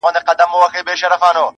همېشه به د مالِک ترشا روان ؤ,